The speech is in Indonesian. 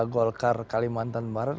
golkar kalimantan barat